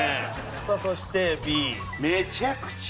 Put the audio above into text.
さあそしてＢ。